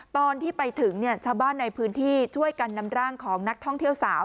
ตอนที่ไปถึงชาวบ้านในพื้นที่ช่วยกันนำร่างของนักท่องเที่ยวสาว